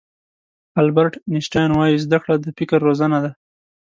البرټ آینشټاین وایي زده کړه د فکر روزنه ده.